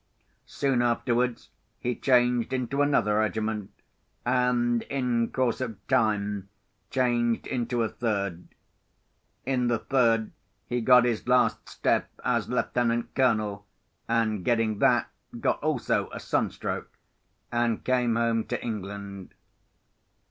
Soon afterwards he changed into another regiment, and, in course of time, changed into a third. In the third he got his last step as lieutenant colonel, and, getting that, got also a sunstroke, and came home to England.